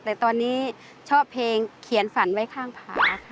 แต่ตอนนี้ชอบเพลงเขียนฝันไว้ข้างผาค่ะ